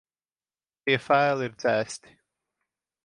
Tie faili ir dzēsti.